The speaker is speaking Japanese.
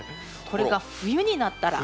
これが冬になったら。